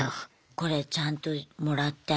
これちゃんともらって後でね。